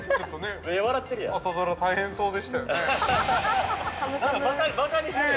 ◆朝ドラ大変そうでしたよねぇ。